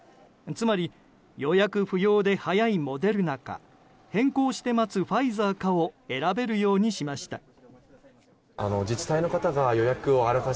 つまり予約不要で早いモデルナか変更して待つファイザーかを選べるようにしました。